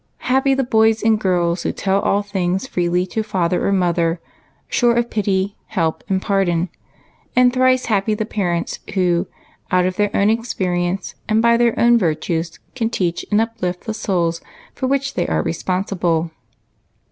Happy the boys and girls who tell all things freely to father or mother, sure of pity, help, and pardon ; and thrice happy the parents who, out of their own experience, and by their own virtues, can teach and uplift the souls for which they are re sponsible.